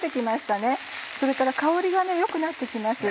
それから香りが良くなって来ます。